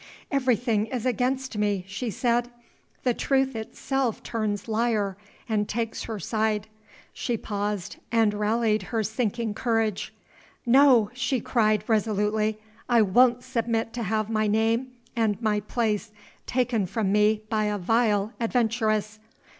"Everything is against me," she said. "The truth itself turns liar, and takes her side." She paused, and rallied her sinking courage. "No!" she cried, resolutely, "I won't submit to have my name and my place taken from me by a vile adventuress!